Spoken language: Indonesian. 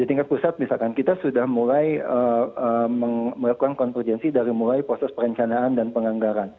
di tingkat pusat misalkan kita sudah mulai melakukan konvergensi dari mulai proses perencanaan dan penganggaran